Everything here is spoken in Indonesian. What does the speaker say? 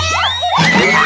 satu dua tiga